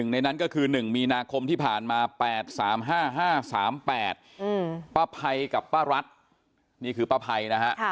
ในนั้นก็คือ๑มีนาคมที่ผ่านมา๘๓๕๕๓๘ป้าภัยกับป้ารัฐนี่คือป้าภัยนะฮะ